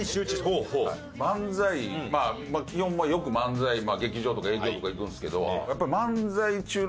基本よく漫才劇場とか営業とか行くんですけど。